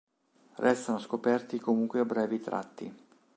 Restano scoperti comunque brevi tratti.